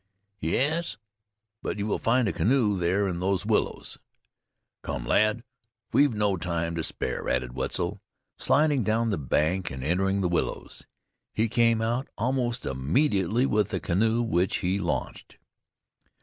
"Yes; but you will find a canoe there in those willows." "Come, lad, we've no time to spare," added Wetzel, sliding down the bank and entering the willows. He came out almost immediately with the canoe which he launched.